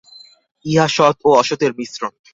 ইহা সৎ ও অসতের মিশ্রণ।